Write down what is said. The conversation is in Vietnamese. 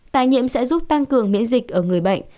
tài nhiễm sẽ giúp tăng cường miễn dịch ở người bệnh